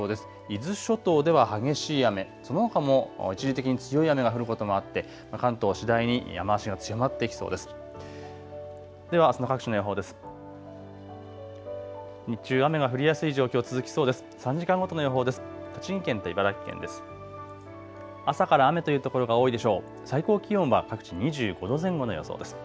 伊豆諸島では激しい雨、そのほかも一時的に強い雨が降ることもあって関東、次第に雨足が強まってきそうです。